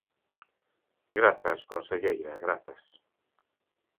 Grazas, conselleira, grazas.